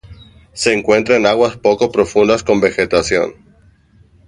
Se encuentra en aguas poco profundas con vegetación.